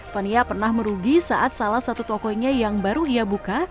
fania pernah merugi saat salah satu tokonya yang baru ia buka